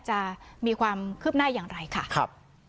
จะมีความคืบหน้าอย่างไรค่ะครับ